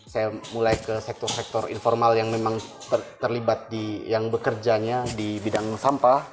saya mulai ke sektor sektor informal yang memang terlibat di yang bekerjanya di bidang sampah